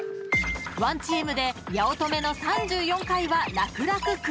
［ワンチームで八乙女の３４回は楽々クリア］